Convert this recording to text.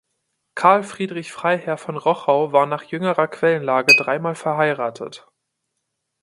Carl Friedrich Freiherr von Rochow war nach jüngerer Quellenlage dreimal verheiratet.